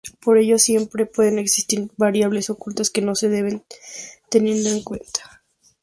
Por ello siempre pueden existir variables ocultas que no se han tenido en cuenta.